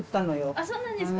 あそうなんですか。